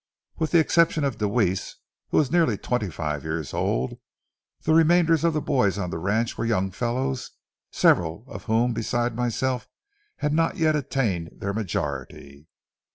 With the exception of Deweese, who was nearly twenty five years old, the remainder of the boys on the ranch were young fellows, several of whom besides myself had not yet attained their majority.